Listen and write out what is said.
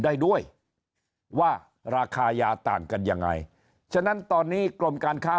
ได้ด้วยว่าราคายาต่างกันยังไงฉะนั้นตอนนี้กรมการค้า